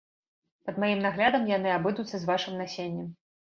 Пад маім наглядам яны абыдуцца з вашым насеннем.